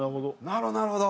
なるほどなるほど。